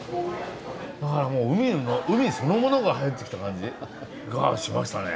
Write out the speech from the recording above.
だからもう海そのものが入ってきた感じがしましたね。